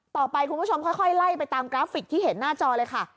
ต่อไปคุณผู้ชมค่อยไล่ไปตามกราฟิกที่เห็นหน้าจอเลยค่ะ